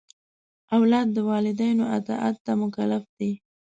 اولاد د والدینو اطاعت ته مکلف دی.